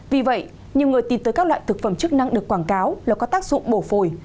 vì vậy nhiều người tìm tới các loại thực phẩm chức năng được quảng cáo là có tác dụng bổ phổi